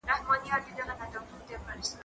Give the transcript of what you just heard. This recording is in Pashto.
له شیخه څه لویدلي وې تسپې چي ته راتلې